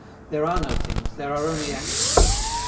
There are no things, there are only actions.